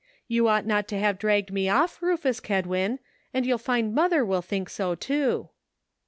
You ought not to have dragged me off, Rufus Kedwin, and you'll find mother will think so too."